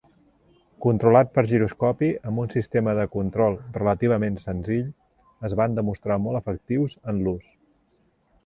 Controlat per giroscopi amb un sistema de control relativament senzill, es van demostrar molt efectius en l'ús.